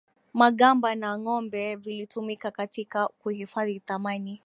magamba na ngombe vilitumika katika kuhifadhi thamani